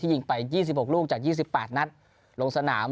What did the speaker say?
ยิงไป๒๖ลูกจาก๒๘นัดลงสนาม